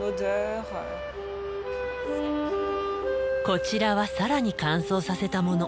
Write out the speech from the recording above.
こちらは更に乾燥させたもの。